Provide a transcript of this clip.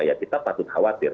ya kita patut khawatir